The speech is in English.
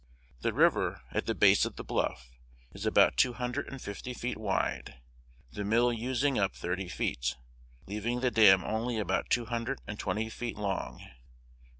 The river, at the base of the bluff, is about two hundred and fifty feet wide, the mill using up thirty feet, leaving the dam only about two hundred and twenty feet long."